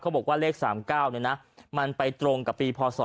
บอกว่าเลข๓๙มันไปตรงกับปีพศ